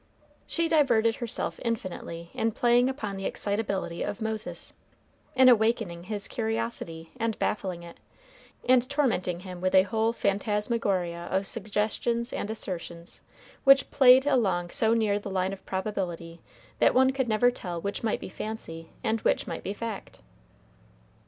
She diverted herself infinitely in playing upon the excitability of Moses, in awaking his curiosity, and baffling it, and tormenting him with a whole phantasmagoria of suggestions and assertions, which played along so near the line of probability, that one could never tell which might be fancy and which might be fact.